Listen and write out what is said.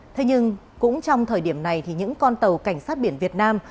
thế nhưng cũng trong thời điểm này thì những con tàu cảnh sát biển việt nam